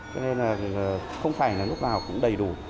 cho nên là không phải là lúc nào cũng đầy đủ